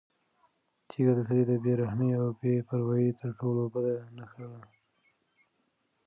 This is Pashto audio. تیږه د سړي د بې رحمۍ او بې پروایۍ تر ټولو بده نښه وه.